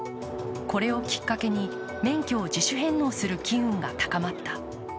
これをきっかけに免許を自主返納する機運が高まった。